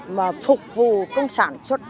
mà phục vụ công sản xuất